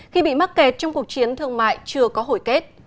khi bị mắc kẹt trong cuộc chiến thương mại chưa có hồi kết